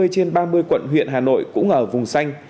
ba mươi trên ba mươi quận huyện hà nội cũng ở vùng xanh